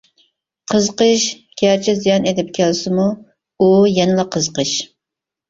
قىزىقىش گەرچە زىيان ئېلىپ كەلسىمۇ ئۇ يەنىلا قىزىقىش.